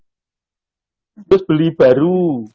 harus beli baru